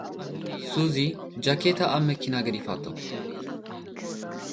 ሱሲ፡ ጃኬታ ኣብ መኪና ገዲፋቶ።